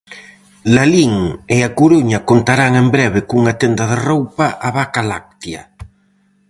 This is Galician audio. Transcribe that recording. Lalín e A Coruña contarán en breve cunha tenda de roupa "A Vaca Láctea".